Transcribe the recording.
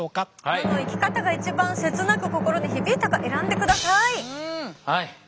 どの生き方が一番切なく心に響いたか選んでください。